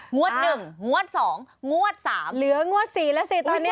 งวด๑งวด๒งวด๓เหลืองวด๔แล้วสิตอนนี้